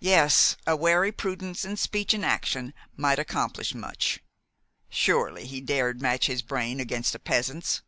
Yes, a wary prudence in speech and action might accomplish much. Surely he dared match his brain against a peasant's.